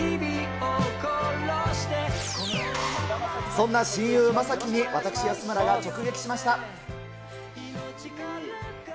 そんな親友、将暉に私、安村が直撃しました。